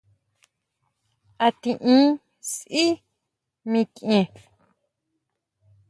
¿A tiʼin sʼí mikʼien?